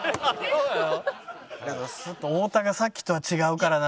ちょっと太田がさっきとは違うからな。